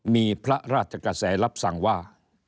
มีพระราชกระแสรับสั่งว่า